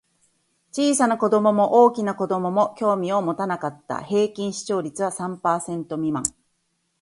小さな子供も大きな子供も興味を持たなかった。平均視聴率は三パーセント未満。